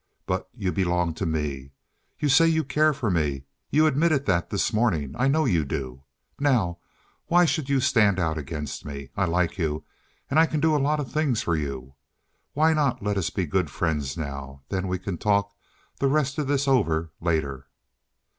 But you belong to me. You say you care for me. You admitted that this morning. I know you do. Now why should you stand out against me? I like you, and I can do a lot of things for you. Why not let us be good friends now? Then we can talk the rest of this over later."